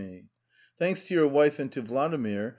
Thanks to your wife and Vladimir.